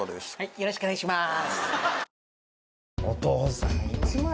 よろしくお願いします。